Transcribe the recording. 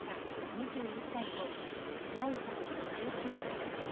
２１歳と真衣さん１９歳。